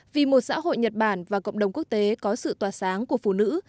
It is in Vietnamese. vì một xã hội nhật bản và cộng đồng quốc tế có sự tỏa sáng của phụ nữ